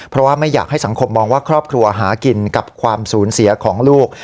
เพราะว่าไม่อยากให้สังคมมองว่าครอบครัวหากินกับความสูญเสียของลูก